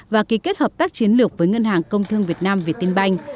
và ký kết hợp tác chiến lược với ngân hàng công thương việt nam việt tinh banh